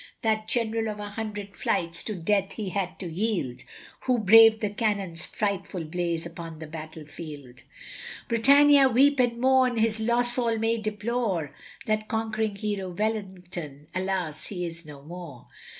That general of a hundred fights, to death he had to yield, Who brav'd the cannons' frightful blaze upon the battle field. CHORUS. Britannia weep and mourn, his loss all may deplore, That conquering hero Wellington, alas, he is no more.